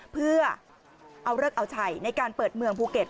เพื่อเอาเลิกเอาชัยในการเปิดเมืองภูเก็ต